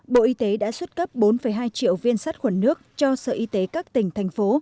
bộ y tế đã xuất cấp bốn hai triệu viên sát khuẩn nước cho sở y tế các tỉnh thành phố